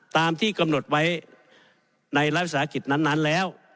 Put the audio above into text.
ตามที่กำหนดไว้ในรัฐวิสาหกิจนั้นแล้ว